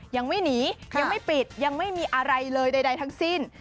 ยังไม่หนียังไม่ปิดยังไม่มีอะไรเลยใดทั้งสิ้น